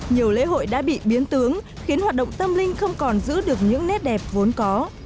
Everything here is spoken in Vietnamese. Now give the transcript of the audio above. nhiều lễ hội đã bị biến tướng khiến hoạt động tâm linh không còn giữ được những nét đẹp vốn có